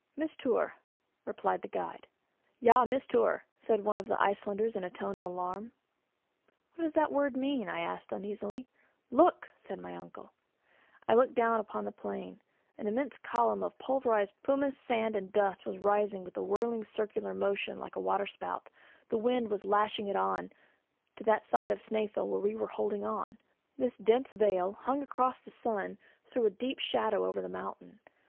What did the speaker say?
"Mistour," replied the guide. "Ja Mistour," said one of the Icelanders in a tone of alarm. "What does that word mean?" I asked uneasily. "Look!" said my uncle. I looked down upon the plain. An immense column of pulverized pumice, sand and dust was rising with a whirling circular motion like a waterspout; the wind was lashing it on to that side of Snæfell where we were holding on; this dense veil, hung across the sun, threw a deep shadow over the mountain.